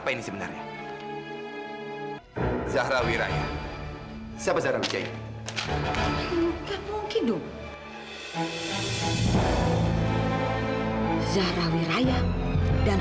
ini pasti perangsa